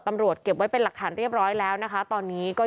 เก็บไว้เป็นหลักฐานเรียบร้อยแล้วนะคะตอนนี้ก็